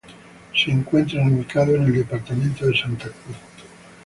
Se encuentran ubicados en el Departamento de Santa Cruz.